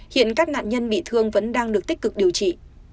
hiện các nạn nhân bị thương vẫn đang được tích cực điều trị